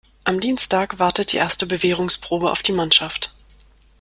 Am Dienstag wartet die erste Bewährungsprobe auf die Mannschaft.